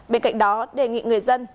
bên cạnh đó đề nghị người dân